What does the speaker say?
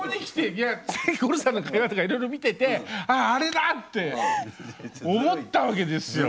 いや五郎さんの会話とかいろいろ見ててあああれだって思ったわけですよ。